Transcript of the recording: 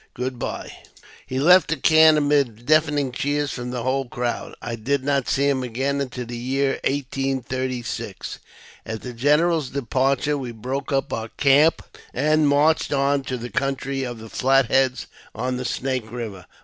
Good bye." 110 AUTOBIOGEAPHY OF He left the camp amid deafening cheers from the whole crowd. I did not see him again mitil the year 1836. At the general's departure, we broke up our camp anc marched on to the country of the Flat Heads, on the Snake Biver.